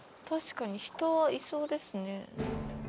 確かに人はいそうですね。